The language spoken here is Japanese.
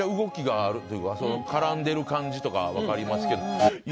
絡んでる感じとか分かりますけど。